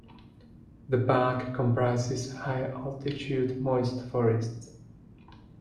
The park comprises high-altitude moist forests.